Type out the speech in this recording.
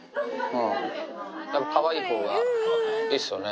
やっぱかわいいほうがいいですよね。